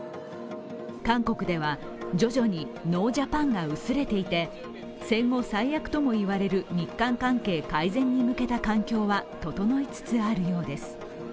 韓国では徐々にノージャパンが薄れていて戦後最悪とも言われる日韓関係改善に向けた環境は整いつつあるようです。